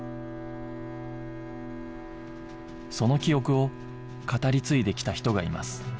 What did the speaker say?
その記憶を語り継いできた人がいます